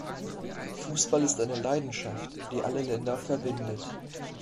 Fußball ist eine Leidenschaft, die alle Länder verbindet.